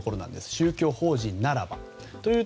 宗教法人ならば。